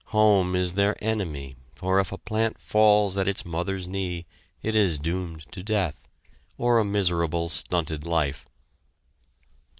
Home is their enemy, for if a plant falls at its mother's knee it is doomed to death, or a miserable stunted life.